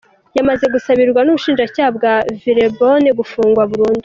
Yamaze gusabirwa n’ubushinjacyaha bwa Villeurbanne gufungwa burundu.